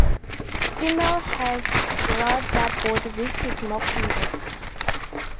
Female has broader body which is more convex.